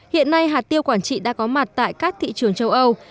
hiện nay hạt tiêu quảng trị đã có mặt tại các thị trường châu âu